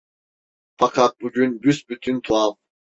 Fakat bugün büsbütün tuhaf.